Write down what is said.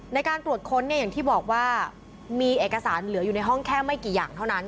ในการตรวจค้นเนี่ยอย่างที่บอกว่ามีเอกสารเหลืออยู่ในห้องแค่ไม่กี่อย่างเท่านั้น